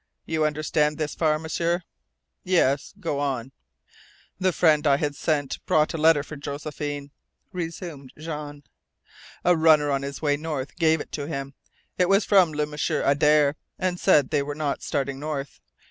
You understand this far, M'sieur?" "Yes. Go on." "The friend I had sent brought a letter for Josephine," resumed Jean. "A runner on his way north gave it to him. It was from Le M'sieur Adare, and said they were not starting north.